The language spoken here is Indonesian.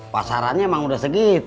pasarannya emang udah segitu